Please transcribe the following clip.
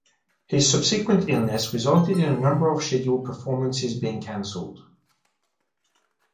His subsequent illness resulted in a number of scheduled performances being cancelled.